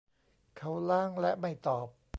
เขาล้างและไม่ตอบ